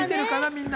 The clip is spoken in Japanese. みんな。